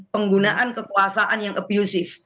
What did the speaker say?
penggunaan kekuasaan yang abusive